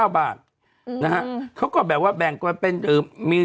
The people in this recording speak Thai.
๒๒๙๗๔๙บาทนะฮะเขาก็แบ่งไปมี